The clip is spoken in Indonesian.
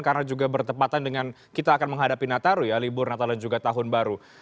karena juga bertepatan dengan kita akan menghadapi nataru ya libur natalan juga tahun baru